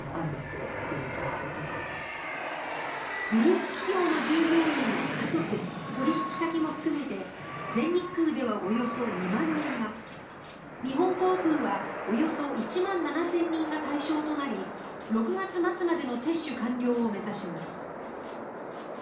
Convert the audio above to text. グループ企業の従業員や家族取引先も含めて全日空ではおよそ２万人が日本航空はおよそ１万７０００人が対象となり６月末までの接種完了を目指します。